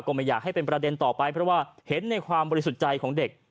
ไม่อยากให้เป็นประเด็นต่อไปเพราะว่าเห็นในความบริสุทธิ์ใจของเด็ก